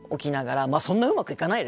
まあそんなうまくいかないですよ